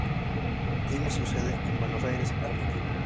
Tiene su sede en Buenos Aires, Argentina.